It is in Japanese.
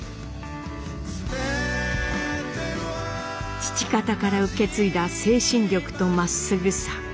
父方から受け継いだ精神力とまっすぐさ。